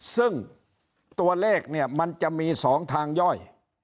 ซึ่งตัวเลขเนี่ยมันจะมี๒ทางย่อย